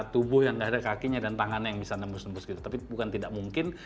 tubuh yang tidak ada kakinya dan tangannya yang bisa nembus nembus gitu tapi bukan tidak mungkin